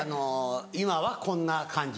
今はこんな感じ。